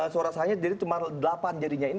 suara saya jadi cuma delapan jadinya ini